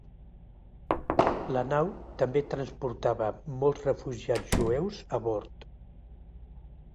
La nau també transportava molts refugiats jueus a bord.